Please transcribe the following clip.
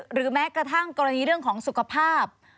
หรือแม้กระทั่งกรณีเรื่องของสุขภาพ